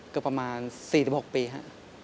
เกือบประมาณ๔๖ปีครับ